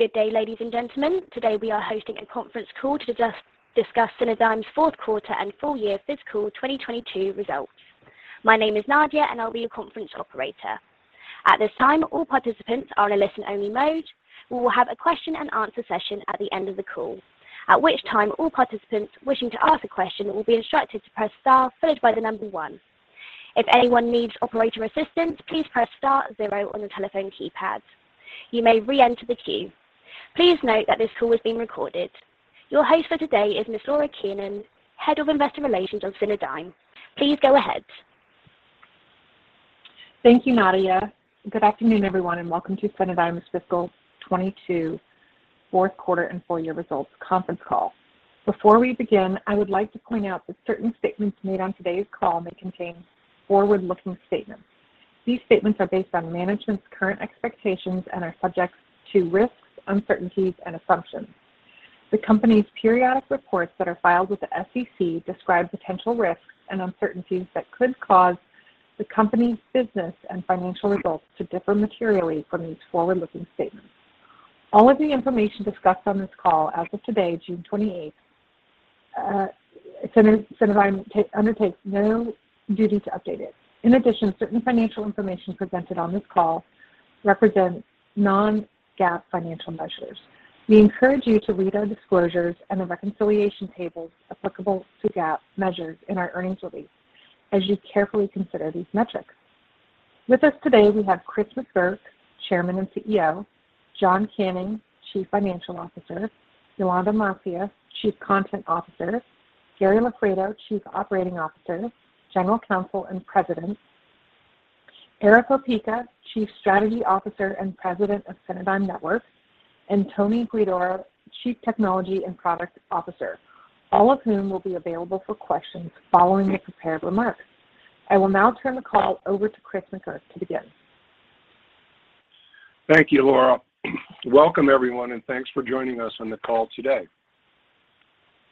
Good day, ladies and gentlemen. Today we are hosting a conference call to discuss Cinedigm's fourth quarter and full year fiscal 2022 results. My name is Nadia, and I'll be your conference operator. At this time, all participants are in a listen-only mode. We will have a question and answer session at the end of the call, at which time all participants wishing to ask a question will be instructed to press star followed by the number one. If anyone needs operator assistance, please press star zero on the telephone keypad. You may re-enter the queue. Please note that this call is being recorded. Your host for today is Ms. Laura Kiernan, Head of Investor Relations of Cinedigm. Please go ahead. Thank you, Nadia. Good afternoon, everyone, and welcome to Cinedigm's fiscal 2022 fourth quarter and full year results conference call. Before we begin, I would like to point out that certain statements made on today's call may contain forward-looking statements. These statements are based on management's current expectations and are subject to risks, uncertainties and assumptions. The company's periodic reports that are filed with the SEC describe potential risks and uncertainties that could cause the company's business and financial results to differ materially from these forward-looking statements. All of the information discussed on this call as of today, June 28th, Cinedigm undertakes no duty to update it. In addition, certain financial information presented on this call represents non-GAAP financial measures. We encourage you to read our disclosures and the reconciliation tables applicable to GAAP measures in our earnings release as you carefully consider these metrics. With us today, we have Chris McGurk, Chairman and CEO, John Canning, Chief Financial Officer, Yolanda Macias, Chief Content Officer, Gary Loffredo, Chief Operating Officer, General Counsel, and President, Erick Opeka, Chief Strategy Officer and President of Cinedigm Networks, and Tony Huidor, Chief Technology and Product Officer, all of whom will be available for questions following the prepared remarks. I will now turn the call over to Chris McGurk to begin. Thank you, Laura. Welcome, everyone, and thanks for joining us on the call today.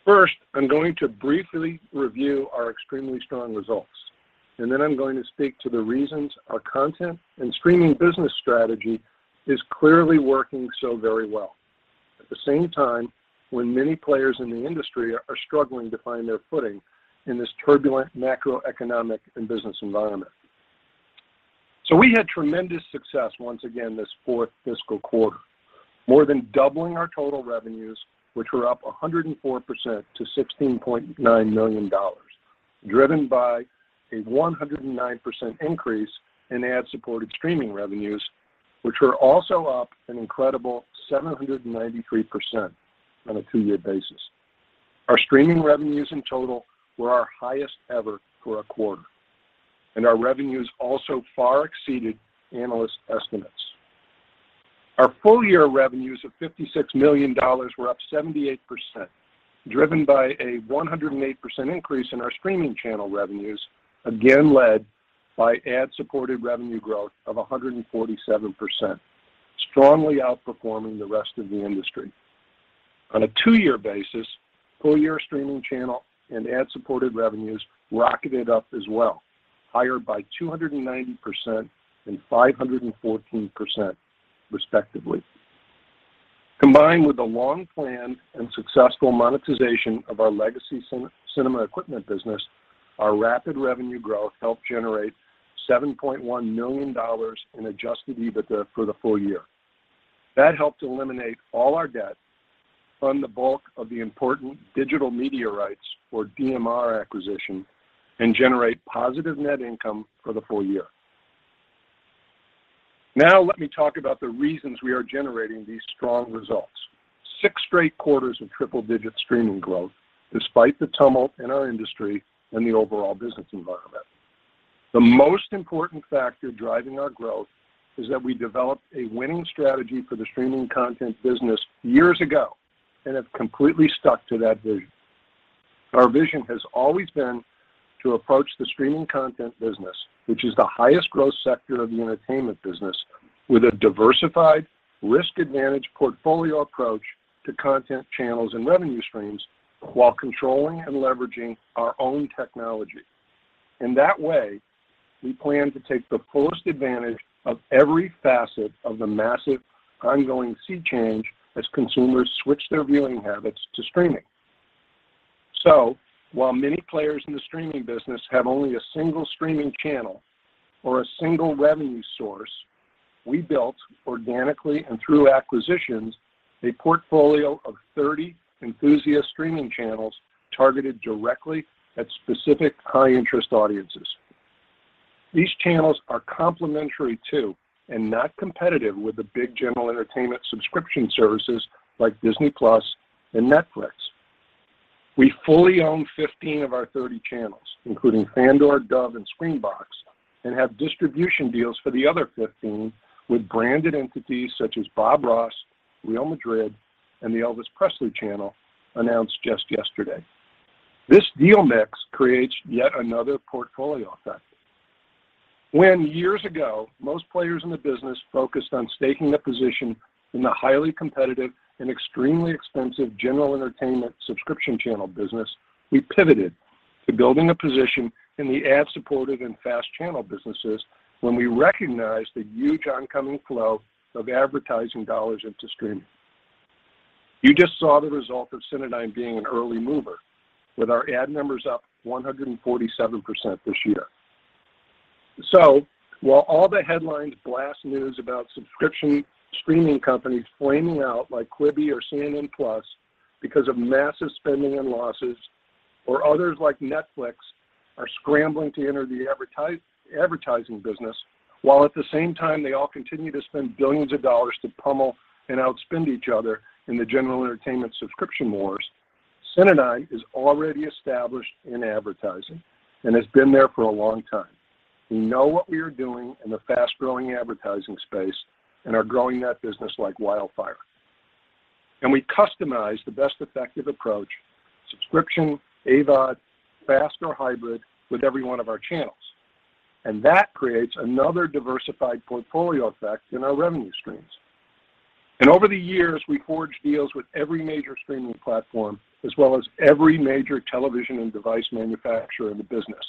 First, I'm going to briefly review our extremely strong results, and then I'm going to speak to the reasons our content and streaming business strategy is clearly working so very well. At the same time, when many players in the industry are struggling to find their footing in this turbulent macroeconomic and business environment. We had tremendous success once again this fourth fiscal quarter, more than doubling our total revenues, which were up 104% to $16.9 million, driven by a 109% increase in ad-supported streaming revenues, which were also up an incredible 793% on a two-year basis. Our streaming revenues in total were our highest ever for a quarter, and our revenues also far exceeded analyst estimates. Our full year revenues of $56 million were up 78%, driven by a 108% increase in our streaming channel revenues, again led by ad-supported revenue growth of 147%, strongly outperforming the rest of the industry. On a two-year basis, full year streaming channel and ad-supported revenues rocketed up as well, higher by 290% and 514% respectively. Combined with the long-planned and successful monetization of our legacy Cinema equipment business, our rapid revenue growth helped generate $7.1 million in adjusted EBITDA for the full year. That helped eliminate all our debt from the bulk of the important Digital Media Rights or DMR acquisition and generate positive net income for the full year. Now let me talk about the reasons we are generating these strong results. Six straight quarters of triple-digit streaming growth despite the tumult in our industry and the overall business environment. The most important factor driving our growth is that we developed a winning strategy for the streaming content business years ago and have completely stuck to that vision. Our vision has always been to approach the streaming content business, which is the highest growth sector of the entertainment business, with a diversified risk advantage portfolio approach to content channels and revenue streams while controlling and leveraging our own technology. In that way, we plan to take the fullest advantage of every facet of the massive ongoing sea change as consumers switch their viewing habits to streaming. While many players in the streaming business have only a single streaming channel or a single revenue source, we built organically and through acquisitions a portfolio of 30 enthusiast streaming channels targeted directly at specific high-interest audiences. These channels are complementary to and not competitive with the big general entertainment subscription services like Disney+ and Netflix. We fully own 15 of our 30 channels, including Fandor, Dove, and Screambox, and have distribution deals for the other 15 with branded entities such as Bob Ross, Real Madrid, and the Elvis Presley Channel announced just yesterday. This deal mix creates yet another portfolio effect. When years ago, most players in the business focused on staking a position in the highly competitive and extremely expensive general entertainment subscription channel business, we pivoted to building a position in the ad-supported and FAST channel businesses when we recognized the huge oncoming flow of advertising dollars into streaming. You just saw the result of Cinedigm being an early mover with our ad numbers up 147% this year. While all the headlines blast news about subscription streaming companies flaming out like Quibi or CNN+ because of massive spending and losses, or others like Netflix are scrambling to enter the advertising business, while at the same time they all continue to spend billions of dollars to pummel and outspend each other in the general entertainment subscription wars. Cinedigm is already established in advertising and has been there for a long time. We know what we are doing in the fast-growing advertising space and are growing that business like wildfire. We customize the best effective approach, subscription, AVOD, FAST or hybrid, with every one of our channels. That creates another diversified portfolio effect in our revenue streams. Over the years, we forged deals with every major streaming platform, as well as every major television and device manufacturer in the business,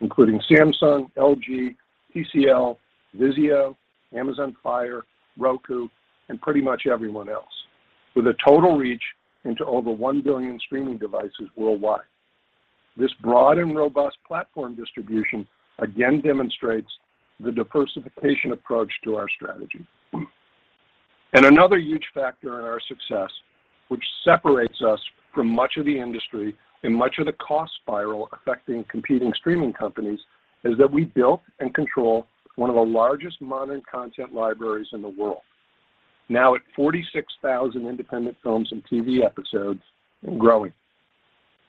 including Samsung, LG, TCL, VIZIO, Amazon Fire, Roku, and pretty much everyone else, with a total reach into over 1 billion streaming devices worldwide. This broad and robust platform distribution again demonstrates the diversification approach to our strategy. Another huge factor in our success, which separates us from much of the industry and much of the cost spiral affecting competing streaming companies, is that we built and control one of the largest modern content libraries in the world, now at 46,000 independent films and TV episodes and growing.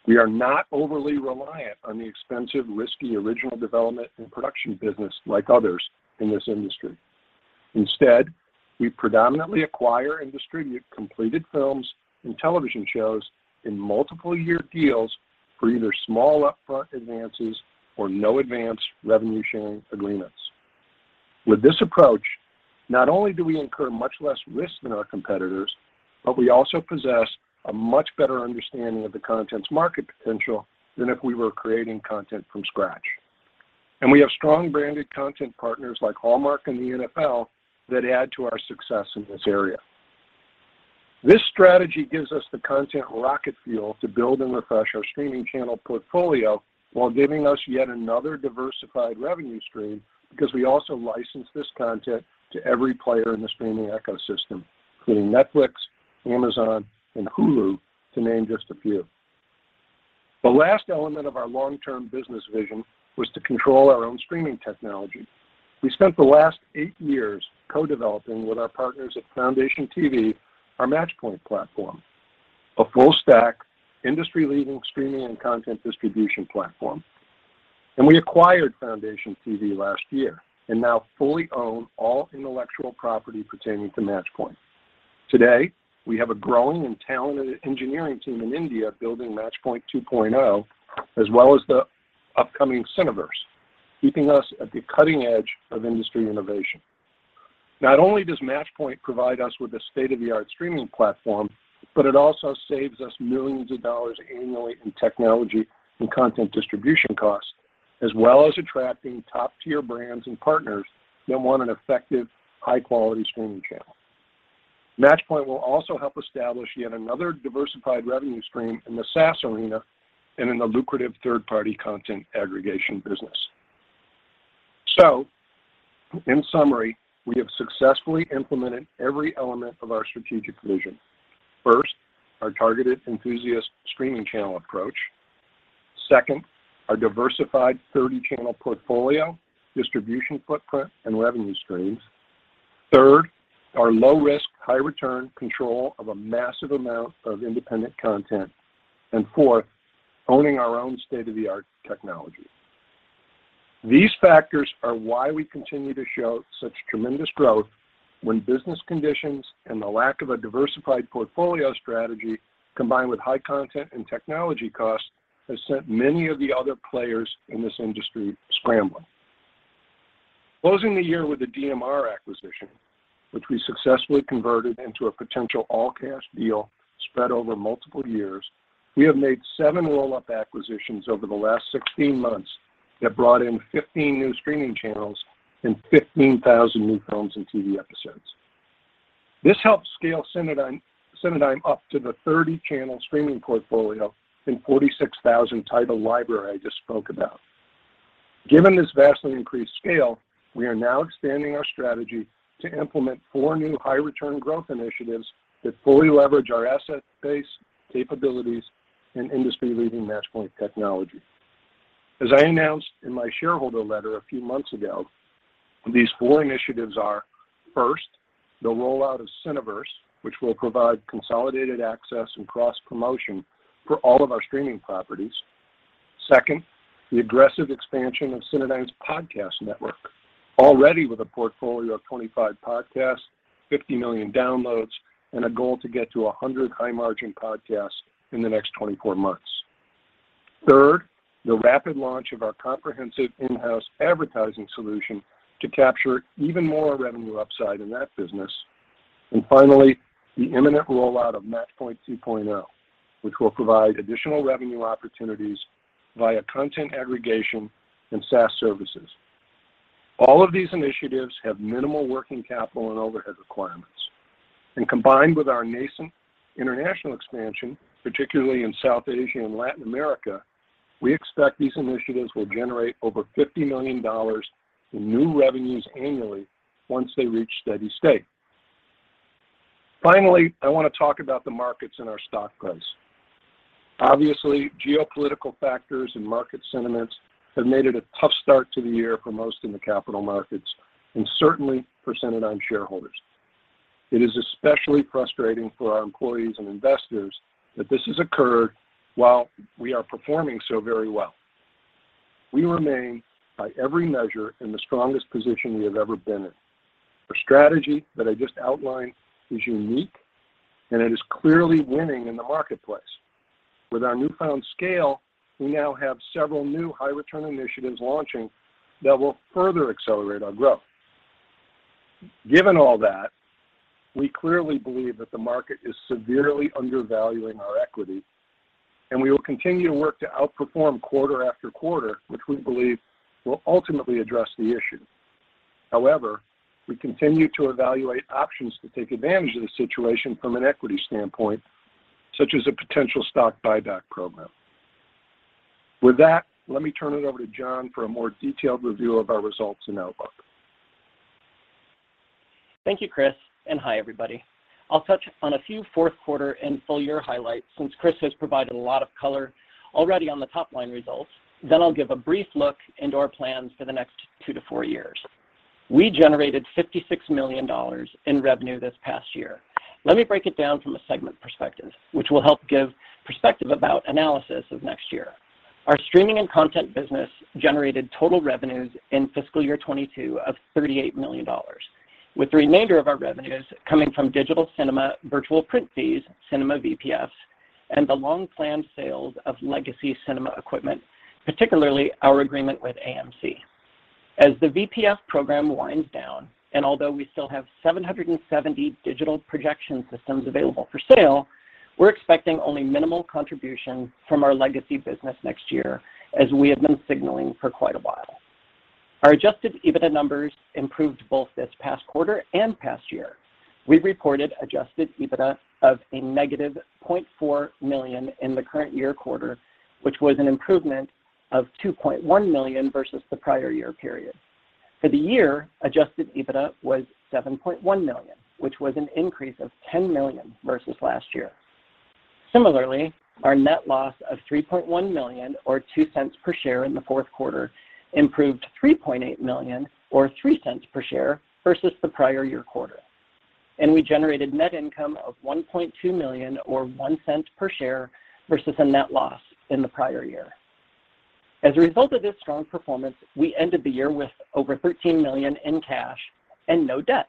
We are not overly reliant on the expensive, risky original development and production business like others in this industry. Instead, we predominantly acquire and distribute completed films and television shows in multiple-year deals for either small upfront advances or no advance revenue sharing agreements. With this approach, not only do we incur much less risk than our competitors, but we also possess a much better understanding of the content's market potential than if we were creating content from scratch. We have strong branded content partners like Hallmark and the NFL that add to our success in this area. This strategy gives us the content rocket fuel to build and refresh our streaming channel portfolio while giving us yet another diversified revenue stream because we also license this content to every player in the streaming ecosystem, including Netflix, Amazon, and Hulu, to name just a few. The last element of our long-term business vision was to control our own streaming technology. We spent the last eight years co-developing with our partners at Foundation TV our Matchpoint platform, a full-stack, industry-leading streaming and content distribution platform. We acquired Foundation TV last year and now fully own all intellectual property pertaining to Matchpoint. Today, we have a growing and talented engineering team in India building Matchpoint 2.0 as well as the upcoming Cineverse, keeping us at the cutting edge of industry innovation. Not only does Matchpoint provide us with a state-of-the-art streaming platform, but it also saves us millions of dollars annually in technology and content distribution costs, as well as attracting top-tier brands and partners that want an effective, high-quality streaming channel. Matchpoint will also help establish yet another diversified revenue stream in the SaaS arena and in the lucrative third-party content aggregation business. In summary, we have successfully implemented every element of our strategic vision. First, our targeted enthusiast streaming channel approach. Second, our diversified 30-channel portfolio, distribution footprint, and revenue streams. Third, our low-risk, high-return control of a massive amount of independent content. Fourth, owning our own state-of-the-art technology. These factors are why we continue to show such tremendous growth when business conditions and the lack of a diversified portfolio strategy combined with high content and technology costs has sent many of the other players in this industry scrambling. Closing the year with the DMR acquisition, which we successfully converted into a potential all-cash deal spread over multiple years, we have made seven roll-up acquisitions over the last 16 months that brought in 15 new streaming channels and 15,000 new films and TV episodes. This helped scale Cinedigm up to the 30-channel streaming portfolio and 46,000 title library I just spoke about. Given this vastly increased scale, we are now expanding our strategy to implement four new high-return growth initiatives that fully leverage our asset base capabilities and industry-leading Matchpoint technology. As I announced in my shareholder letter a few months ago, these four initiatives are, first, the rollout of Cineverse, which will provide consolidated access and cross-promotion for all of our streaming properties. Second, the aggressive expansion of Cinedigm's podcast network, already with a portfolio of 25 podcasts, 50 million downloads, and a goal to get to 100 high-margin podcasts in the next 24 months. Third, the rapid launch of our comprehensive in-house advertising solution to capture even more revenue upside in that business. And finally, the imminent rollout of Matchpoint 2.0, which will provide additional revenue opportunities via content aggregation and SaaS services. All of these initiatives have minimal working capital and overhead requirements. Combined with our nascent international expansion, particularly in South Asia and Latin America, we expect these initiatives will generate over $50 million in new revenues annually once they reach steady state. Finally, I wanna talk about the markets and our stock price. Obviously, geopolitical factors and market sentiments have made it a tough start to the year for most in the capital markets and certainly for Cinedigm shareholders. It is especially frustrating for our employees and investors that this has occurred while we are performing so very well. We remain by every measure in the strongest position we have ever been in. The strategy that I just outlined is unique, and it is clearly winning in the marketplace. With our newfound scale, we now have several new high-return initiatives launching that will further accelerate our growth. Given all that, we clearly believe that the market is severely undervaluing our equity, and we will continue to work to outperform quarter after quarter, which we believe will ultimately address the issue. However, we continue to evaluate options to take advantage of the situation from an equity standpoint, such as a potential stock buyback program. With that, let me turn it over to John for a more detailed review of our results and outlook. Thank you, Chris, and hi, everybody. I'll touch on a few fourth quarter and full year highlights since Chris has provided a lot of color already on the top-line results. I'll give a brief look into our plans for the next two to four years. We generated $56 million in revenue this past year. Let me break it down from a segment perspective, which will help give perspective about analysis of next year. Our streaming and content business generated total revenues in fiscal year 2022 of $38 million, with the remainder of our revenues coming from digital cinema virtual print fees, cinema VPFs, and the long-planned sales of legacy cinema equipment, particularly our agreement with AMC. As the VPF program winds down, and although we still have 770 digital projection systems available for sale, we're expecting only minimal contribution from our legacy business next year as we have been signaling for quite a while. Our adjusted EBITDA numbers improved both this past quarter and past year. We reported adjusted EBITDA of -$0.4 million in the current year quarter, which was an improvement of $2.1 million versus the prior year period. For the year, adjusted EBITDA was $7.1 million, which was an increase of $10 million versus last year. Similarly, our net loss of $3.1 million or $0.02 per share in the fourth quarter improved $3.8 million or $0.03 per share versus the prior year quarter. We generated net income of $1.2 million or $0.01 per share versus a net loss in the prior year. As a result of this strong performance, we ended the year with over $13 million in cash and no debt.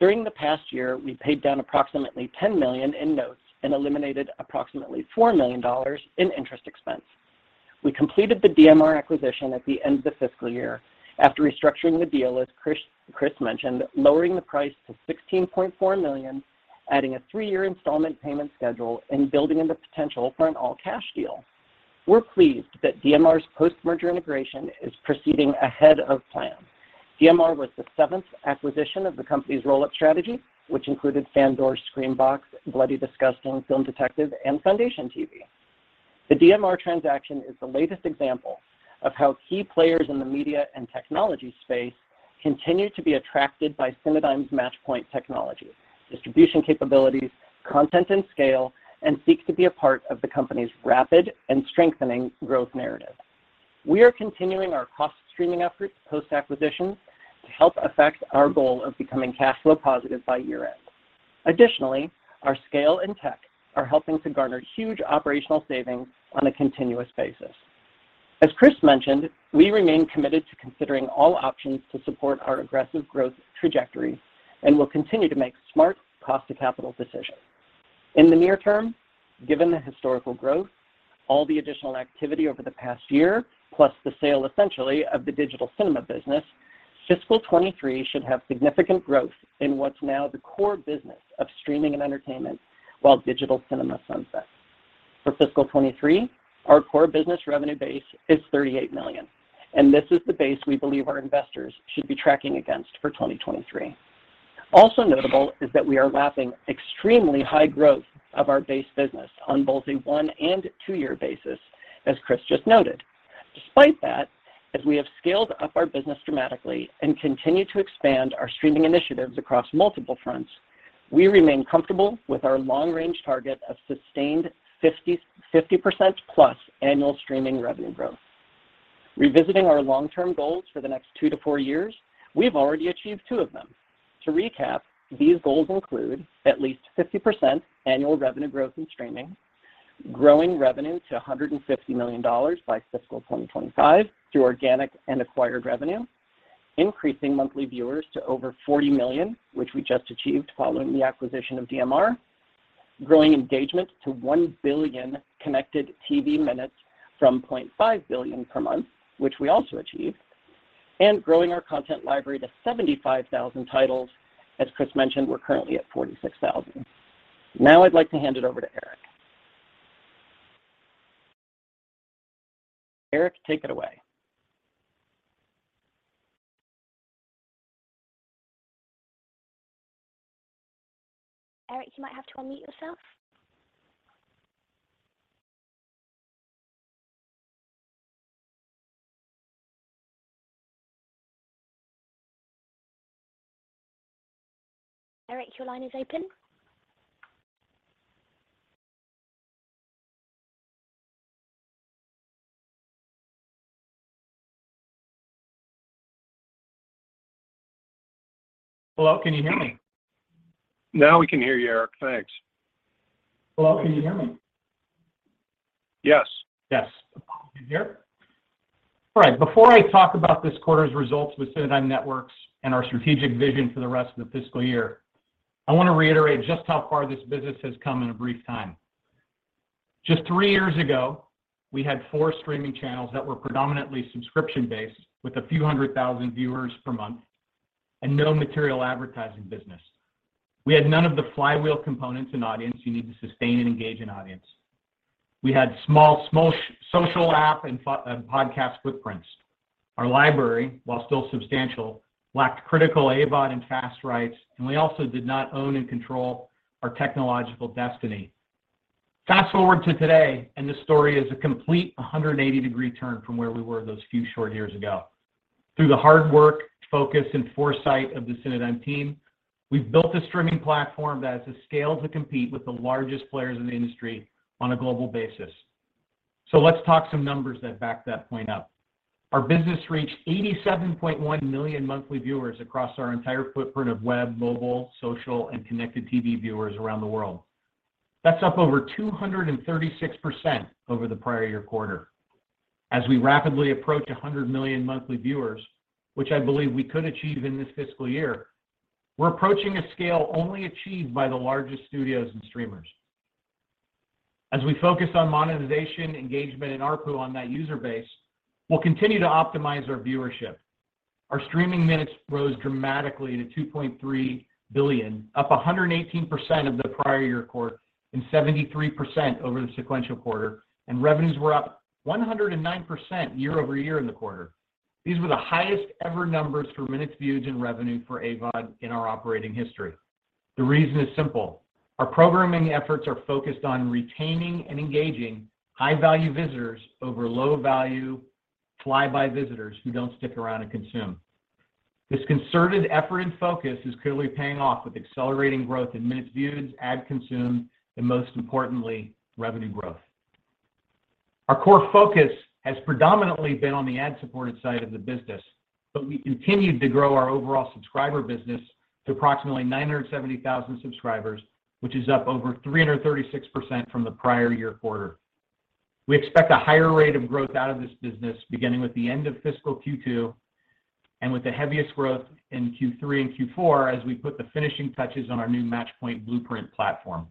During the past year, we paid down approximately $10 million in notes and eliminated approximately $4 million in interest expense. We completed the DMR acquisition at the end of the fiscal year after restructuring the deal, as Chris mentioned, lowering the price to $16.4 million, adding a three-year installment payment schedule, and building in the potential for an all-cash deal. We're pleased that DMR's post-merger integration is proceeding ahead of plan. DMR was the seventh acquisition of the company's roll-up strategy, which included Screambox, Bloody Disgusting, The Film Detective, and Foundation TV. The DMR transaction is the latest example of how key players in the media and technology space continue to be attracted by Cinedigm's Matchpoint technology, distribution capabilities, content and scale, and seek to be a part of the company's rapid and strengthening growth narrative. We are continuing our cost-streaming efforts post-acquisition to help affect our goal of becoming cash flow positive by year-end. Additionally, our scale and tech are helping to garner huge operational savings on a continuous basis. As Chris mentioned, we remain committed to considering all options to support our aggressive growth trajectory and will continue to make smart cost of capital decisions. In the near term, given the historical growth, all the additional activity over the past year, plus the sale essentially of the digital cinema business, fiscal 2023 should have significant growth in what's now the core business of streaming and entertainment while digital cinema sunsets. For fiscal 2023, our core business revenue base is $38 million, and this is the base we believe our investors should be tracking against for 2023. Also notable is that we are lapping extremely high growth of our base business on both a one and two-year basis, as Chris just noted. Despite that, as we have scaled up our business dramatically and continue to expand our streaming initiatives across multiple fronts, we remain comfortable with our long-range target of sustained 50%+ annual streaming revenue growth. Revisiting our long-term goals for the next two to four years, we've already achieved two of them. To recap, these goals include at least 50% annual revenue growth in streaming, growing revenue to $150 million by fiscal 2025 through organic and acquired revenue, increasing monthly viewers to over 40 million, which we just achieved following the acquisition of DMR, growing engagement to 1 billion connected TV minutes from 0.5 billion per month, which we also achieved, and growing our content library to 75,000 titles. As Chris mentioned, we're currently at 46,000. Now I'd like to hand it over to Erick. Erick, take it away. Erick, you might have to unmute yourself. Erick, your line is open. Hello, can you hear me? Now we can hear you, Erick. Thanks. Hello, can you hear me? Yes. Yes. Can you hear? All right. Before I talk about this quarter's results with Cinedigm Networks and our strategic vision for the rest of the fiscal year, I want to reiterate just how far this business has come in a brief time. Just three years ago, we had four streaming channels that were predominantly subscription-based with a few hundred thousand viewers per month and no material advertising business. We had none of the flywheel components and audience you need to sustain and engage an audience. We had small social app and podcast footprints. Our library, while still substantial, lacked critical AVOD and FAST rights, and we also did not own and control our technological destiny. Fast-forward to today, and the story is a complete 180-degree turn from where we were those few short years ago. Through the hard work, focus, and foresight of the Cinedigm team, we've built a streaming platform that has the scale to compete with the largest players in the industry on a global basis. Let's talk some numbers that back that point up. Our business reached 87.1 million monthly viewers across our entire footprint of web, mobile, social, and connected TV viewers around the world. That's up over 236% over the prior year quarter. As we rapidly approach 100 million monthly viewers, which I believe we could achieve in this fiscal year, we're approaching a scale only achieved by the largest studios and streamers. As we focus on monetization, engagement, and ARPU on that user base, we'll continue to optimize our viewership. Our streaming minutes rose dramatically to 2.3 billion, up 118% over the prior year quarter and 73% over the sequential quarter, and revenues were up 109% year over year in the quarter. These were the highest ever numbers for minutes viewed and revenue for AVOD in our operating history. The reason is simple. Our programming efforts are focused on retaining and engaging high-value visitors over low-value flyby visitors who don't stick around and consume. This concerted effort and focus is clearly paying off with accelerating growth in minutes viewed, ads consumed, and most importantly, revenue growth. Our core focus has predominantly been on the ad-supported side of the business, but we continued to grow our overall subscriber business to approximately 970,000 subscribers, which is up over 336% from the prior year quarter. We expect a higher rate of growth out of this business beginning with the end of fiscal Q2 and with the heaviest growth in Q3 and Q4 as we put the finishing touches on our new Matchpoint blueprint platform.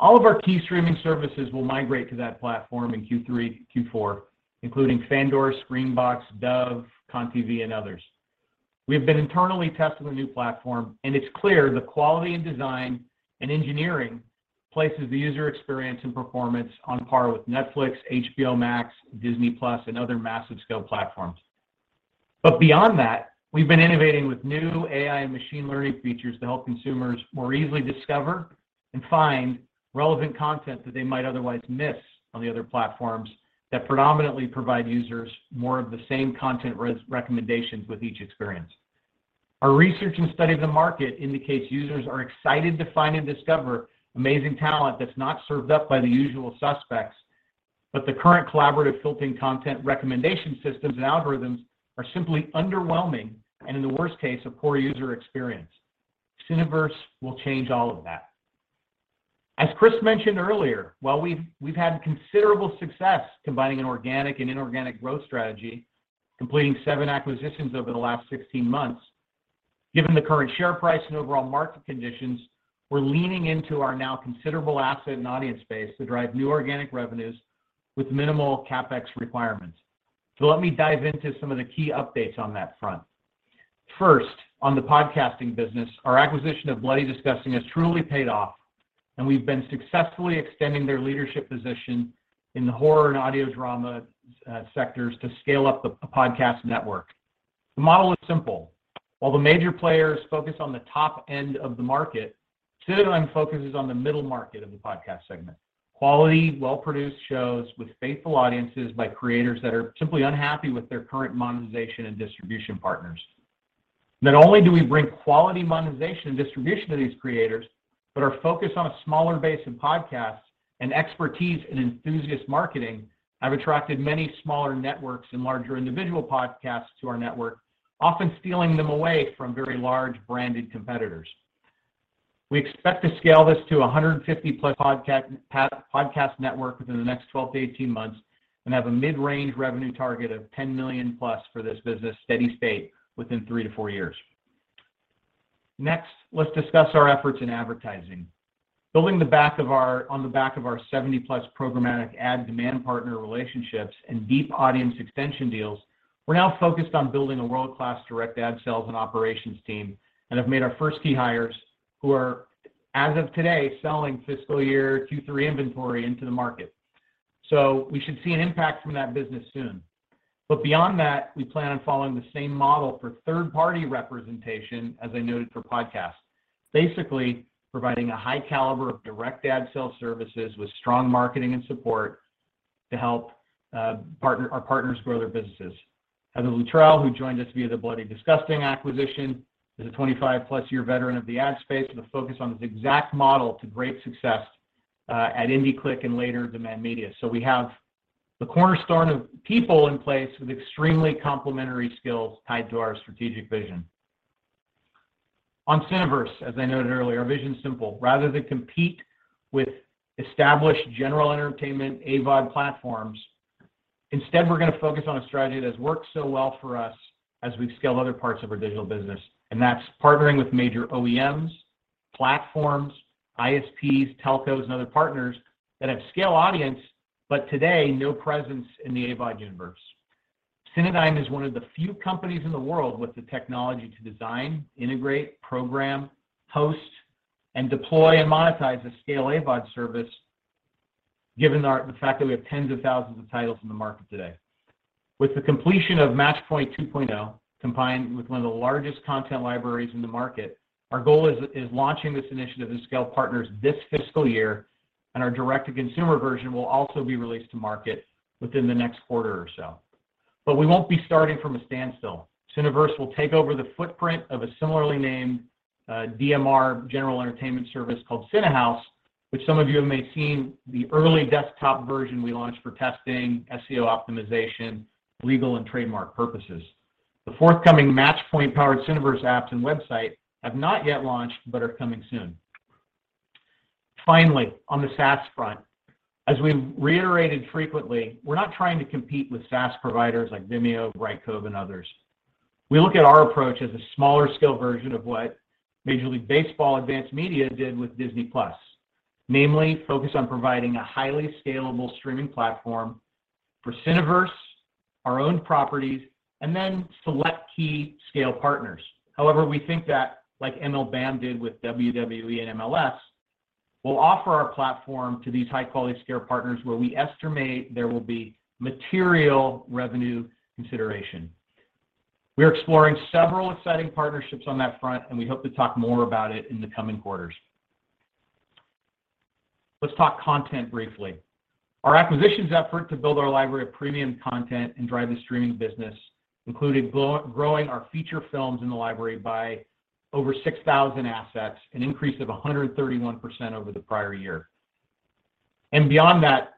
All of our key streaming services will migrate to that platform in Q3, Q4, including Fandor, Screambox, Dove, CONtv, and others. We have been internally testing the new platform, and it's clear the quality in design and engineering places the user experience and performance on par with Netflix, HBO Max, Disney+, and other massive-scale platforms. Beyond that, we've been innovating with new AI and machine learning features to help consumers more easily discover and find relevant content that they might otherwise miss on the other platforms that predominantly provide users more of the same content recommendations with each experience. Our research and study of the market indicates users are excited to find and discover amazing talent that's not served up by the usual suspects. The current collaborative filtering content recommendation systems and algorithms are simply underwhelming, and in the worst case, a poor user experience. Cineverse will change all of that. As Chris mentioned earlier, while we've had considerable success combining an organic and inorganic growth strategy completing seven acquisitions over the last 16 months. Given the current share price and overall market conditions, we're leaning into our now considerable asset and audience base to drive new organic revenues with minimal CapEx requirements. Let me dive into some of the key updates on that front. First, on the podcasting business, our acquisition of Bloody Disgusting has truly paid off, and we've been successfully extending their leadership position in the horror and audio drama sectors to scale up the podcast network. The model is simple. While the major players focus on the top end of the market, Cinedigm focuses on the middle market of the podcast segment. Quality, well-produced shows with faithful audiences by creators that are simply unhappy with their current monetization and distribution partners. Not only do we bring quality monetization and distribution to these creators, but our focus on a smaller base in podcasts and expertise in enthusiast marketing have attracted many smaller networks and larger individual podcasts to our network, often stealing them away from very large branded competitors. We expect to scale this to 150+ podcast network within the next 12-18 months and have a mid-range revenue target of $10 million+ for this business steady state within three to four years. Next, let's discuss our efforts in advertising. Building on the back of our 70+ programmatic ad demand partner relationships and deep audience extension deals, we're now focused on building a world-class direct ad sales and operations team and have made our first key hires who are, as of today, selling fiscal year 2023 inventory into the market. We should see an impact from that business soon. Beyond that, we plan on following the same model for third-party representation as I noted for podcasts. Basically, providing a high caliber of direct ad sales services with strong marketing and support to help our partners grow their businesses. Heather Luttrell, who joined us via the Bloody Disgusting acquisition, is a 25+ year veteran of the ad space with a focus on this exact model to great success at IndieClick and later Demand Media. We have the cornerstone of people in place with extremely complementary skills tied to our strategic vision. On Cineverse, as I noted earlier, our vision's simple. Rather than compete with established general entertainment AVOD platforms, instead we're gonna focus on a strategy that has worked so well for us as we've scaled other parts of our digital business, and that's partnering with major OEMs, platforms, ISPs, telcos, and other partners that have scale audience, but today, no presence in the AVOD universe. Cinedigm is one of the few companies in the world with the technology to design, integrate, program, host, and deploy and monetize a scale AVOD service given the fact that we have tens of thousands of titles in the market today. With the completion of Matchpoint 2.0, combined with one of the largest content libraries in the market, our goal is launching this initiative and scale partners this fiscal year, and our direct-to-consumer version will also be released to market within the next quarter or so. We won't be starting from a standstill. Cineverse will take over the footprint of a similarly named DMR general entertainment service called Cinehouse, which some of you may have seen the early desktop version we launched for testing, SEO optimization, legal and trademark purposes. The forthcoming Matchpoint-powered Cineverse apps and website have not yet launched, but are coming soon. Finally, on the SaaS front, as we've reiterated frequently, we're not trying to compete with SaaS providers like Vimeo, Brightcove, and others. We look at our approach as a smaller scale version of what Major League Baseball Advanced Media did with Disney+, namely focus on providing a highly scalable streaming platform for Cineverse, our own properties, and then select key scale partners. However, we think that, like MLBAM did with WWE and MLS, we'll offer our platform to these high-quality scale partners where we estimate there will be material revenue consideration. We're exploring several exciting partnerships on that front, and we hope to talk more about it in the coming quarters. Let's talk content briefly. Our acquisitions effort to build our library of premium content and drive the streaming business included growing our feature films in the library by over 6,000 assets, an increase of 131% over the prior year. Beyond that,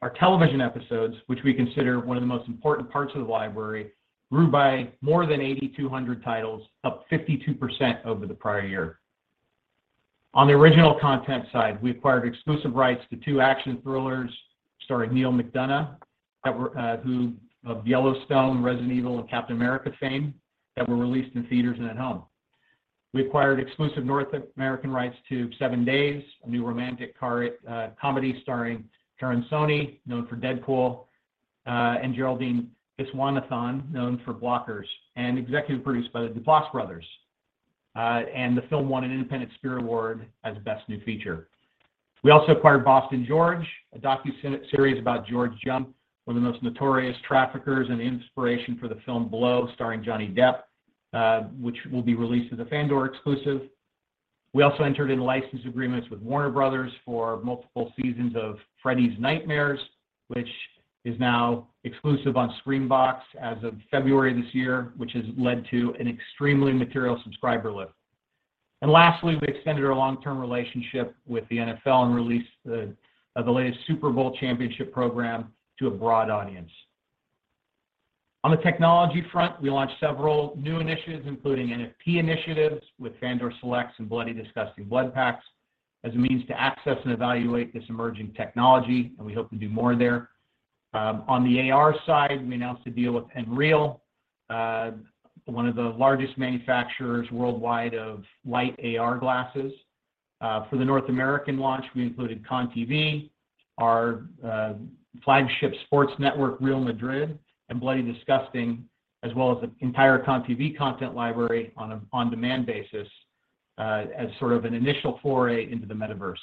our television episodes, which we consider one of the most important parts of the library, grew by more than 8,200 titles, up 52% over the prior year. On the original content side, we acquired exclusive rights to two action thrillers starring Neal McDonough of Yellowstone, Resident Evil, and Captain America fame that were released in theaters and at home. We acquired exclusive North American rights to 7 Days, a new romantic comedy starring Karan Soni, known for Deadpool, and Geraldine Viswanathan, known for Blockers, and executive produced by the Duplass brothers. The film won an Independent Spirit Award as Best New Feature. We also acquired Boston George, a docuseries about George Jung, one of the most notorious traffickers and inspiration for the film Blow starring Johnny Depp, which will be released as a Fandor exclusive. We also entered into license agreements with Warner Bros. for multiple seasons of Freddy's Nightmares, which is now exclusive on Screambox as of February this year, which has led to an extremely material subscriber lift. Lastly, we extended our long-term relationship with the NFL and released the latest Super Bowl championship program to a broad audience. On the technology front, we launched several new initiatives, including NFT initiatives with Fandor Selects and Bloody Disgusting Blood Packs as a means to access and evaluate this emerging technology, and we hope to do more there. On the AR side, we announced a deal with Xreal, one of the largest manufacturers worldwide of light AR glasses. For the North American launch, we included CONtv, our flagship sports network, Real Madrid, and Bloody Disgusting, as well as the entire CONtv content library on an on-demand basis, as sort of an initial foray into the metaverse.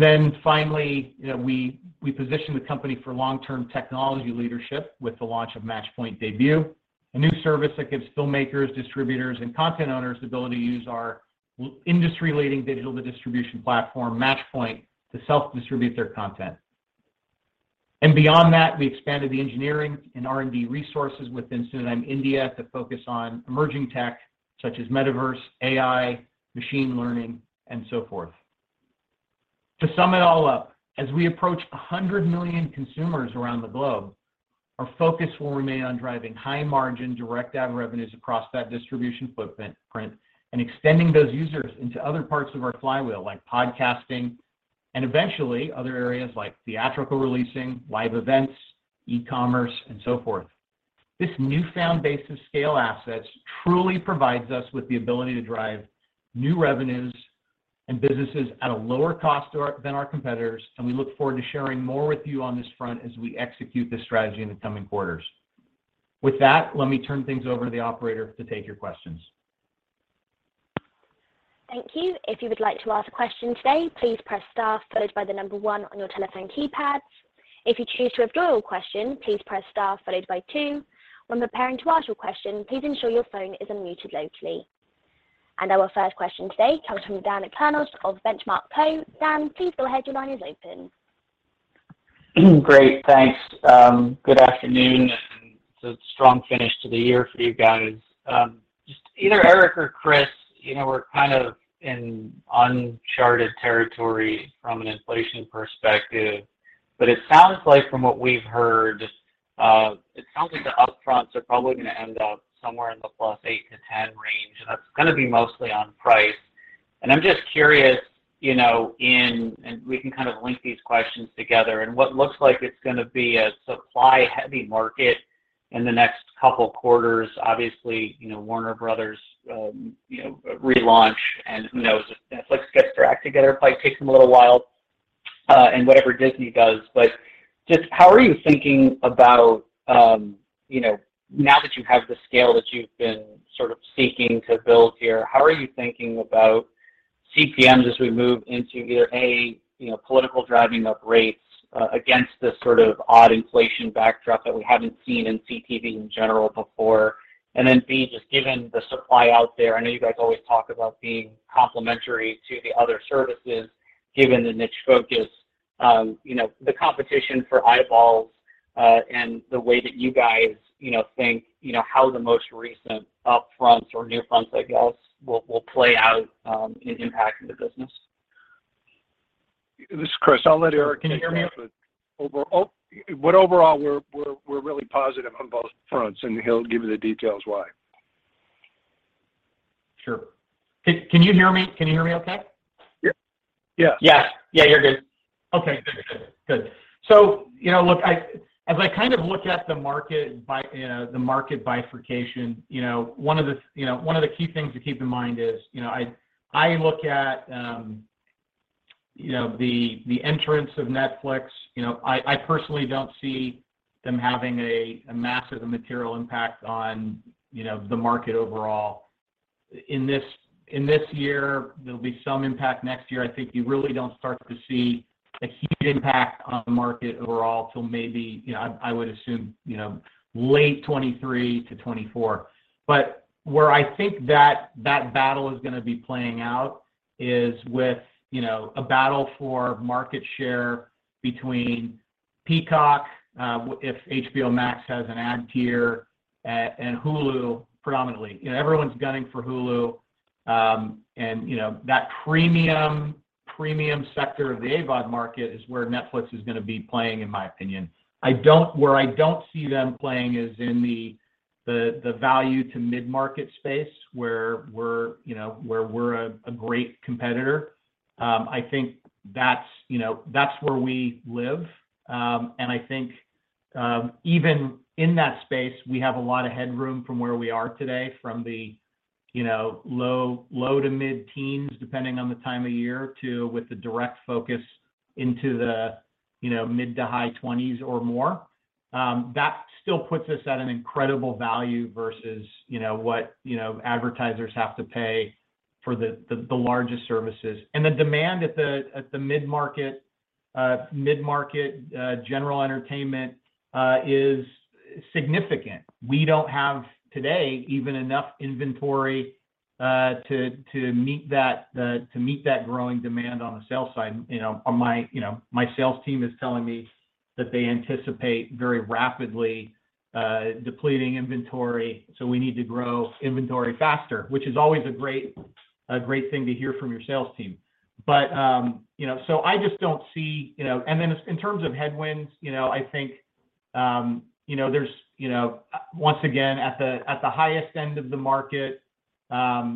Then finally, you know, we positioned the company for long-term technology leadership with the launch of Matchpoint Debut, a new service that gives filmmakers, distributors, and content owners the ability to use our industry-leading digital distribution platform, Matchpoint, to self-distribute their content. Beyond that, we expanded the engineering and R&D resources within Cinedigm India to focus on emerging tech, such as metaverse, AI, machine learning, and so forth. To sum it all up, as we approach 100 million consumers around the globe, our focus will remain on driving high margin direct ad revenues across that distribution footprint, and extending those users into other parts of our flywheel, like podcasting and eventually other areas like theatrical releasing, live events, e-commerce, and so forth. This newfound base of scale assets truly provides us with the ability to drive new revenues and businesses at a lower cost than our competitors, and we look forward to sharing more with you on this front as we execute this strategy in the coming quarters. With that, let me turn things over to the operator to take your questions. Thank you. If you would like to ask a question today, please press star followed by the number one on your telephone keypad. If you choose to withdraw your question, please press star followed by two. When preparing to ask your question, please ensure your phone is unmuted locally. Our first question today comes from Daniel Kurnos of Benchmark Co. Dan, please go ahead. Your line is open. Great. Thanks. Good afternoon. It's a strong finish to the year for you guys. Just either Erick or Chris, you know, we're kind of in uncharted territory from an inflation perspective, but it sounds like from what we've heard, it sounds like the upfronts are probably gonna end up somewhere in the +8%-10% range, and that's gonna be mostly on price. I'm just curious, you know, and we can kind of link these questions together. In what looks like it's gonna be a supply-heavy market in the next couple quarters, obviously, you know, Warner Bros., you know, relaunch and who knows if Netflix gets their act together. It probably takes them a little while, and whatever Disney does. Just how are you thinking about, you know, now that you have the scale that you've been sort of seeking to build here, how are you thinking about CPMs as we move into either, A, you know, political driving of rates against this sort of odd inflation backdrop that we haven't seen in CTV in general before? Then, B, just given the supply out there, I know you guys always talk about being complementary to the other services given the niche focus, you know, the competition for eyeballs, and the way that you guys, you know, think, you know, how the most recent upfronts or NewFronts, I guess, will play out, in impacting the business. This is Chris. I'll let Erick take that. Can you hear me? Overall, we're really positive on both fronts, and he'll give you the details why. Sure. Can you hear me? Can you hear me okay? Yeah. Yeah, you're good. Okay. Good. you know, look, as I kind of look at the market bifurcation, you know, one of the key things to keep in mind is, you know, I look at, you know, the entrance of Netflix. You know, I personally don't see them having a massive material impact on, you know, the market overall. In this year, there'll be some impact. Next year, I think you really don't start to see a huge impact on the market overall till maybe, you know, I would assume, you know, late 2023 to 2024. Where I think that battle is gonna be playing out is with, you know, a battle for market share between Peacock, if HBO Max has an ad tier, and Hulu predominantly. You know, everyone's gunning for Hulu, and, you know, that premium sector of the AVOD market is where Netflix is gonna be playing in my opinion. Where I don't see them playing is in the value to mid-market space where we're, you know, a great competitor. I think that's, you know, where we live. And I think, even in that space, we have a lot of headroom from where we are today from the, you know, low to mid-teens, depending on the time of year, to with the direct focus into the, you know, mid- to high 20s or more. That still puts us at an incredible value versus, you know, what, you know, advertisers have to pay for the largest services. The demand at the mid-market general entertainment is significant. We don't have today even enough inventory to meet that growing demand on the sales side. You know, my sales team is telling me that they anticipate very rapidly depleting inventory, so we need to grow inventory faster. Which is always a great thing to hear from your sales team. I just don't see- in terms of headwinds, I think there's- once again, at the highest end of the market,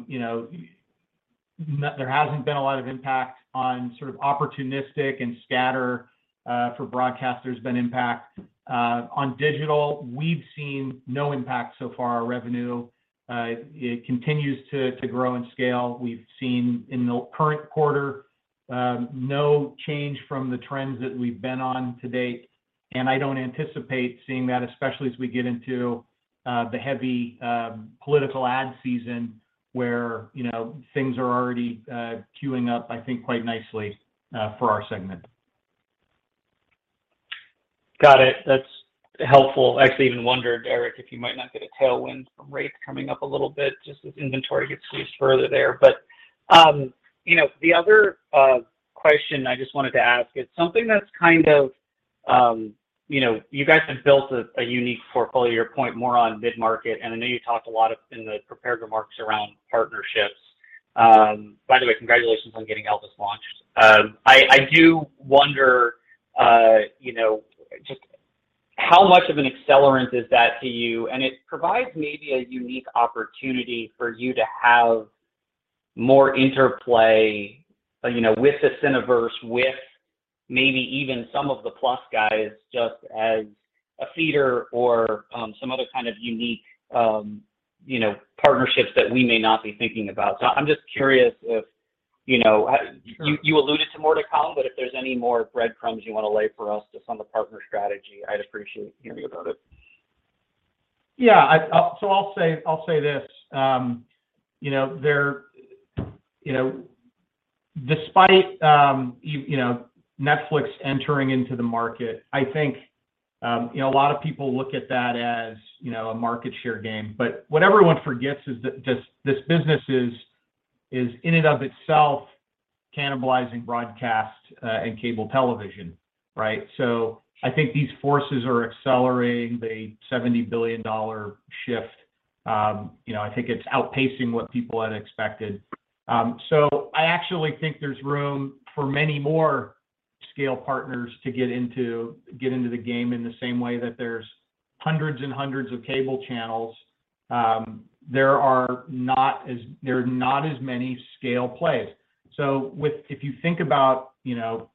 you know, there hasn't been a lot of impact on sort of opportunistic and scatter for broadcast. There's been impact. On digital, we've seen no impact so far. Our revenue it continues to grow and scale. We've seen in the current quarter no change from the trends that we've been on to date, and I don't anticipate seeing that, especially as we get into the heavy political ad season where, you know, things are already queuing up, I think, quite nicely for our segment. Got it. That's helpful. I actually even wondered, Erick, if you might not get a tailwind from rates coming up a little bit just as inventory gets squeezed further there. You know, the other question I just wanted to ask is something that's kind of, you know. You guys have built a unique portfolio, your point more on mid-market, and I know you talked a lot in the prepared remarks around partnerships. By the way, congratulations on getting Elvis launched. I do wonder, you know, just how much of an accelerant is that to you? It provides maybe a unique opportunity for you to have more interplay, you know, with the Cineverse, with maybe even some of the Plus guys, just as a feeder or, some other kind of unique, you know, partnerships that we may not be thinking about. I'm just curious if, you know- Sure. You alluded to more to come, but if there's any more breadcrumbs you wanna lay for us just on the partner strategy, I'd appreciate hearing about it. Yeah. I'll say this. You know, despite you know, Netflix entering into the market, I think you know, a lot of people look at that as you know, a market share game. What everyone forgets is that this business is in and of itself cannibalizing broadcast and cable television, right? I think these forces are accelerating the $70 billion shift. You know, I think it's outpacing what people had expected. I actually think there's room for many more scale partners to get into the game in the same way that there's hundreds and hundreds of cable channels. There are not as many scale plays. If you think about, you know,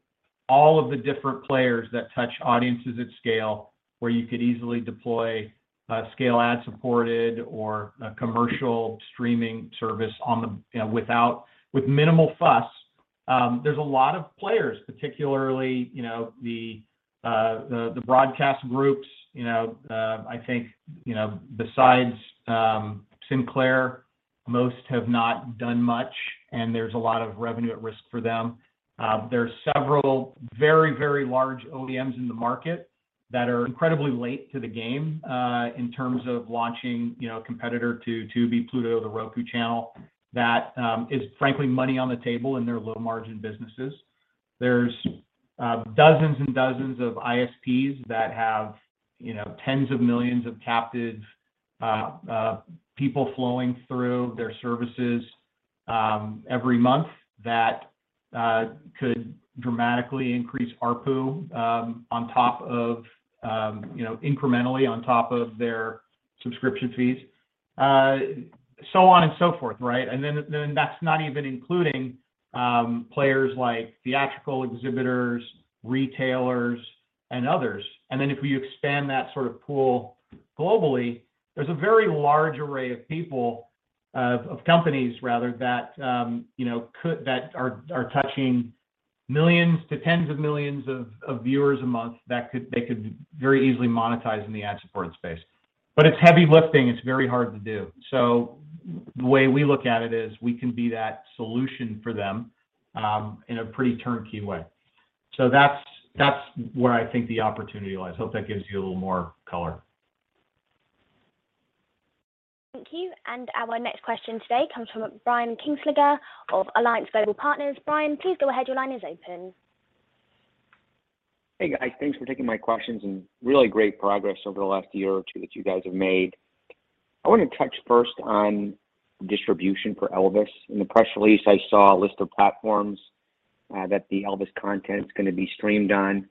all of the different players that touch audiences at scale, where you could easily deploy a scale ad-supported or a commercial streaming service on the- you know, with minimal fuss, there's a lot of players, particularly, you know, the broadcast groups. You know, I think, you know, besides Sinclair, most have not done much, and there's a lot of revenue at risk for them. There's several very, very large OEMs in the market that are incredibly late to the game, in terms of launching, you know, a competitor to Tubi, Pluto, the Roku Channel, that is frankly money on the table in their low-margin businesses. There's dozens and dozens of ISPs that have, you know, tens of millions of captive people flowing through their services every month that could dramatically increase ARPU on top of, you know, incrementally on top of their subscription fees, so on and so forth, right? That's not even including players like theatrical exhibitors, retailers, and others. If you expand that sort of pool globally, there's a very large array of companies rather that are touching millions to tens of millions of viewers a month, they could very easily monetize in the ad-supported space. It's heavy lifting. It's very hard to do. The way we look at it is we can be that solution for them in a pretty turnkey way. That's where I think the opportunity lies. Hope that gives you a little more color. Thank you. Our next question today comes from Brian Kinstlinger of Alliance Global Partners. Brian, please go ahead. Your line is open. Hey, guys. Thanks for taking my questions, and really great progress over the last year or two that you guys have made. I want to touch first on distribution for Elvis. In the press release, I saw a list of platforms that the Elvis content's gonna be streamed on.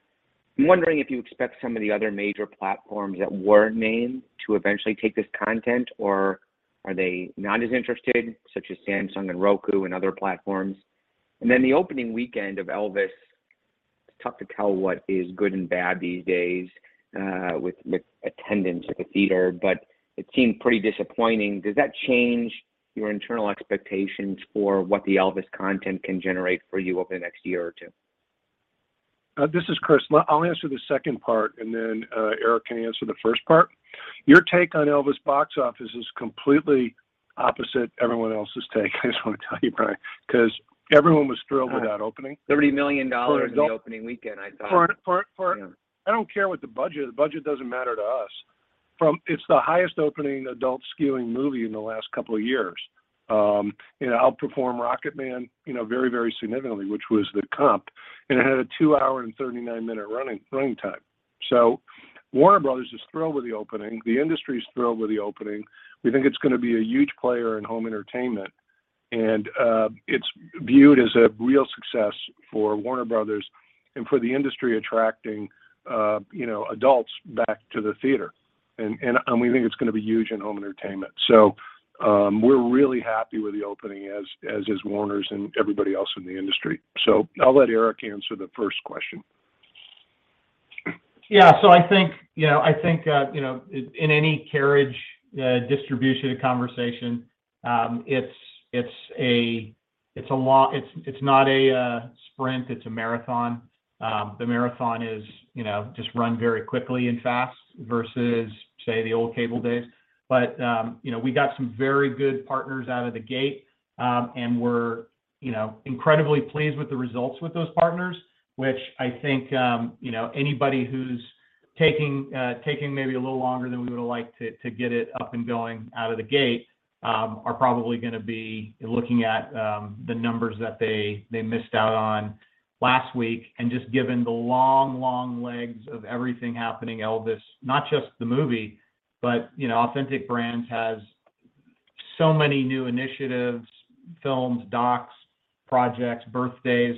I'm wondering if you expect some of the other major platforms that weren't named to eventually take this content, or are they not as interested, such as Samsung and Roku and other platforms? The opening weekend of Elvis, it's tough to tell what is good and bad these days with attendance at the theater, but it seemed pretty disappointing. Does that change your internal expectations for what the Elvis content can generate for you over the next year or two? This is Chris. I'll answer the second part, and then, Erick can answer the first part. Your take on Elvis box office is completely opposite everyone else's take, I just wanna tell you, Brian, 'cause everyone was thrilled with that opening. $30 million in the opening weekend, I thought. For, for- Yeah. I don't care what the budget is. The budget doesn't matter to us. It's the highest opening adult-skewing movie in the last couple of years. It outperformed Rocketman, you know, very, very significantly, which was the comp, and it had a two-hour and 39-minute running time. Warner Bros. is thrilled with the opening. The industry is thrilled with the opening. We think it's gonna be a huge player in home entertainment. It's viewed as a real success for Warner Bros. and for the industry attracting, you know, adults back to the theater. We think it's gonna be huge in home entertainment. We're really happy with the opening as is Warners and everybody else in the industry. I'll let Eric answer the first question. I think, you know, I think in any carriage distribution conversation, it's a long- it's not a sprint, it's a marathon. The marathon is, you know, just run very quickly and fast versus, say, the old cable days. We got some very good partners out of the gate, and we're, you know, incredibly pleased with the results with those partners, which I think, you know, anybody who's taking maybe a little longer than we would have liked to get it up and going out of the gate are probably gonna be looking at the numbers that they missed out on last week. Just given the long, long legs of everything happening, Elvis, not just the movie, but, you know, Authentic Brands has so many new initiatives, films, docs, projects, birthdays.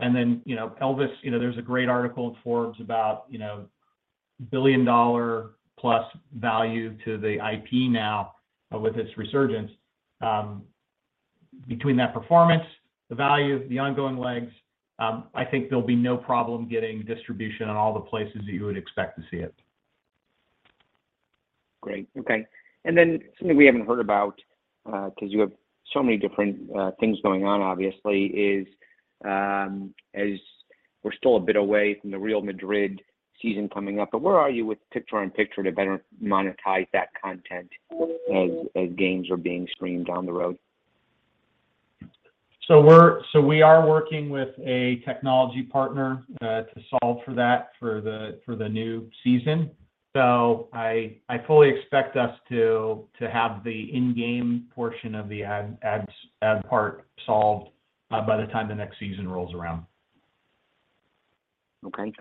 You know, Elvis, you know, there's a great article in Forbes about, you know, billion-dollar-plus value to the IP now with its resurgence. Between that performance, the value, the ongoing legs, I think there'll be no problem getting distribution on all the places that you would expect to see it. Great. Okay. Something we haven't heard about, 'cause you have so many different things going on, obviously, is as we're still a bit away from the Real Madrid season coming up, but where are you with picture-in-picture to better monetize that content as games are being streamed on the road? We are working with a technology partner to solve for that for the new season. I fully expect us to have the in-game portion of the ad part solved by the time the next season rolls around. Okay.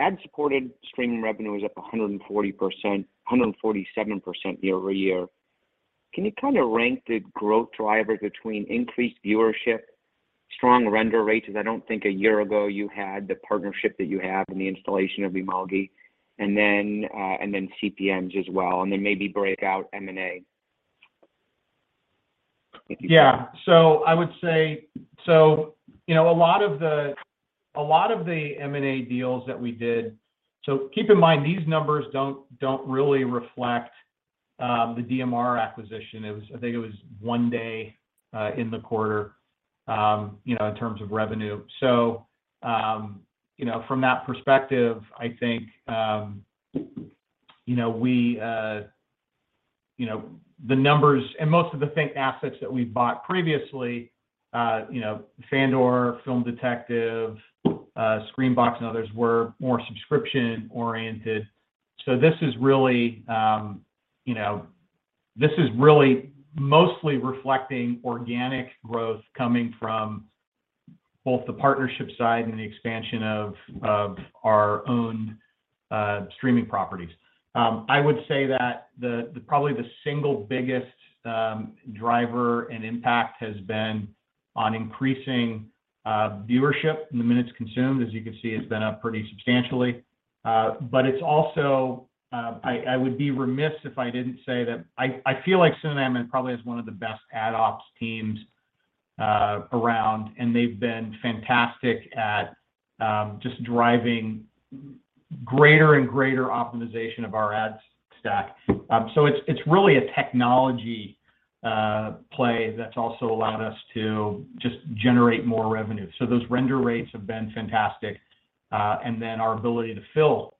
Ad-supported streaming revenue is up 140%, 147% year-over-year. Can you kinda rank the growth driver between increased viewership, strong render rates? Because I don't think a year ago you had the partnership that you have and the installation of Imagi. CPMs as well, and then maybe break out M&A. I would say a lot of the M&A deals that we did. Keep in mind, these numbers don't really reflect the DMR acquisition. I think it was one day in the quarter, you know, in terms of revenue. From that perspective, I think you know we- you know the numbers- and most of the things assets that we bought previously, you know, Fandor, The Film Detective, Screambox and others were more subscription-oriented. This is really mostly reflecting organic growth coming from both the partnership side and the expansion of our own streaming properties. I would say that probably the single biggest driver and impact has been on increasing viewership and the minutes consumed, as you can see, has been up pretty substantially. It's also, I would be remiss if I didn't say that I feel like Cinedigm probably has one of the best ad ops teams around, and they've been fantastic at just driving greater and greater optimization of our ad stack. It's really a technology play that's also allowed us to just generate more revenue. Those render rates have been fantastic. Our ability to fill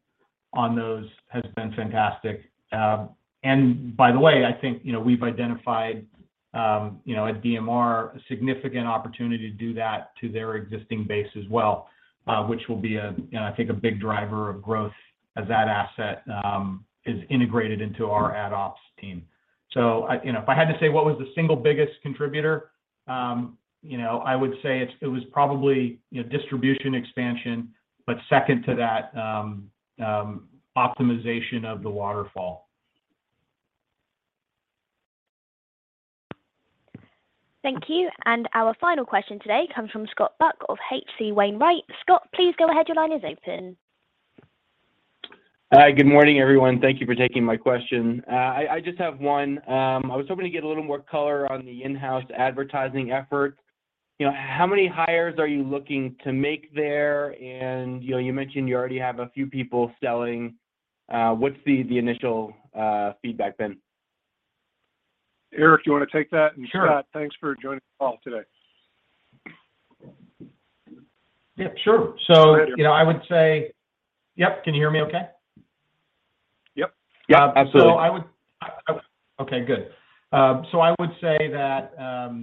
on those has been fantastic. By the way, I think, you know, we've identified, you know, at DMR a significant opportunity to do that to their existing base as well, which will be a, you know, I think a big driver of growth as that asset is integrated into our ad ops team. You know, if I had to say what was the single biggest contributor, you know, I would say it was probably, you know, distribution expansion, but second to that, optimization of the waterfall. Thank you. Our final question today comes from Scott Buck of H.C. Wainwright. Scott, please go ahead. Your line is open. Hi, good morning, everyone. Thank you for taking my question. I just have one. I was hoping to get a little more color on the in-house advertising effort. You know, how many hires are you looking to make there? You know, you mentioned you already have a few people selling. What's the initial feedback been? Erick, you wanna take that? Sure. Scott, thanks for joining the call today. Yeah, sure. Go ahead, Erick. You know, I would say- yep. Can you hear me okay? Yep. Yeah, absolutely. Okay, good. I would say that,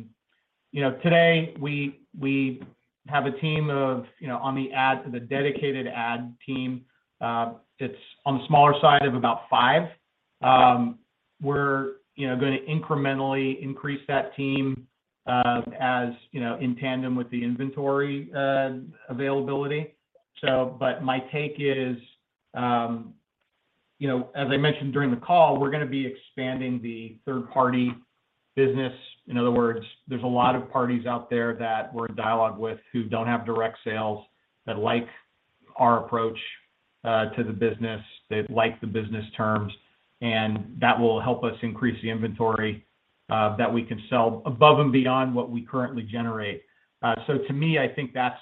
you know, today we have a team of, you know, on the dedicated ad team, it's on the smaller side of about five. We're, you know, gonna incrementally increase that team, as, you know, in tandem with the inventory availability. My take is, you know, as I mentioned during the call, we're gonna be expanding the third party business. In other words, there's a lot of parties out there that we're in dialogue with who don't have direct sales that like our approach to the business, they like the business terms, and that will help us increase the inventory that we can sell above and beyond what we currently generate. To me, I think that's,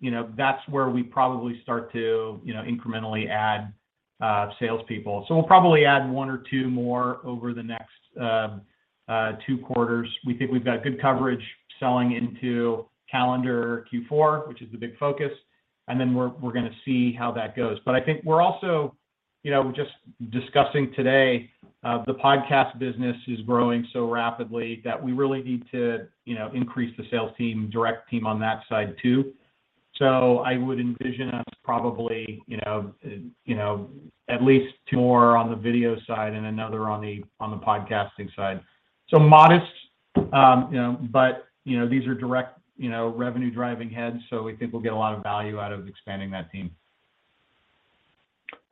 you know, that's where we probably start to, you know, incrementally add salespeople. We'll probably add one or two more over the next two quarters. We think we've got good coverage selling into calendar Q4, which is the big focus, and then we're gonna see how that goes. I think we're also, you know, just discussing today, the podcast business is growing so rapidly that we really need to, you know, increase the sales team, direct team on that side too. I would envision us probably, you know, at least two more on the video side and another on the podcasting side. Modest, but these are direct, you know, revenue-driving heads, so we think we'll get a lot of value out of expanding that team.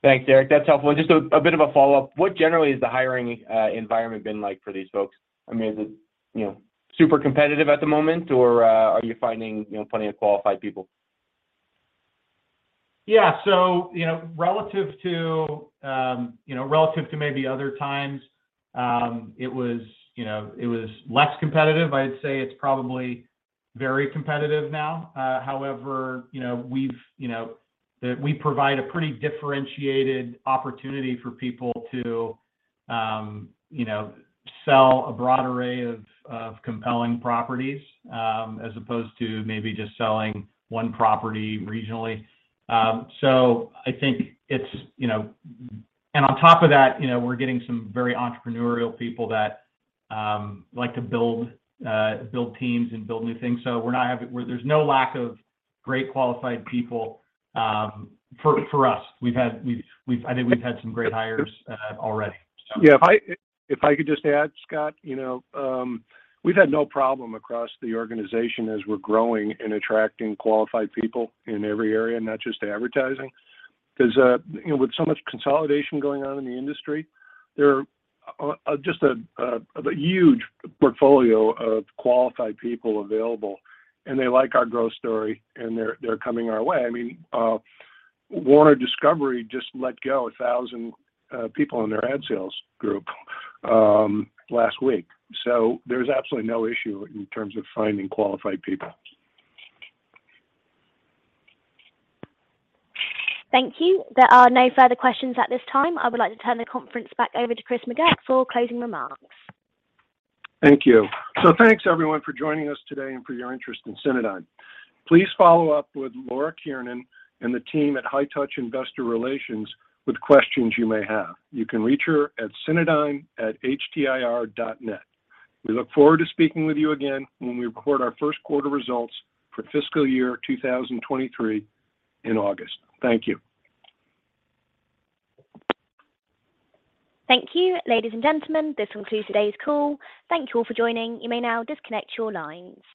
Thanks, Erick. That's helpful. Just a bit of a follow-up. What generally has the hiring environment been like for these folks? I mean, is it, you know, super competitive at the moment or are you finding, you know, plenty of qualified people? Yeah, you know, relative to maybe other times, it was less competitive. I'd say it's probably very competitive now. However, we provide a pretty differentiated opportunity for people to sell a broad array of compelling properties, as opposed to maybe just selling one property regionally. I think it's- and on top of that, you know, we're getting some very entrepreneurial people that like to build teams and build new things. There's no lack of great qualified people for us. I think we've had some great hires already. Yeah. If I could just add, Scott. You know, we've had no problem across the organization as we're growing in attracting qualified people in every area and not just advertising. 'Cause you know, with so much consolidation going on in the industry, there are just a huge portfolio of qualified people available, and they like our growth story and they're coming our way. I mean, Warner Discovery just let go 1,000 people in their ad sales group last week. There's absolutely no issue in terms of finding qualified people. Thank you. There are no further questions at this time. I would like to turn the conference back over to Chris McGurk for closing remarks. Thank you. Thanks everyone for joining us today and for your interest in Cinedigm. Please follow up with Laura Kiernan and the team at High Touch Investor Relations with questions you may have. You can reach her at cinedigm@htir.net. We look forward to speaking with you again when we report our first quarter results for fiscal year 2023 in August. Thank you. Thank you. Ladies and gentlemen, this concludes today's call. Thank you all for joining. You may now disconnect your lines.